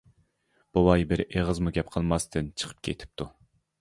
بوۋاي بىر ئېغىزمۇ گەپ قىلماستىن چىقىپ كېتىپتۇ.